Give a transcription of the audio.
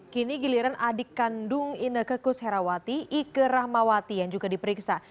kini giliran adik kandung indah kekus herawati iker rahmawati yang juga diperiksa